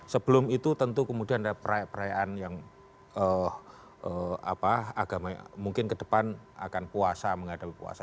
sebelum itu tentu kemudian ada perayaan yang agama mungkin ke depan akan puasa menghadapi puasa